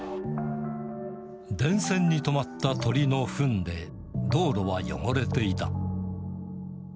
電線にとまった鳥のふんで、道路は汚れていた。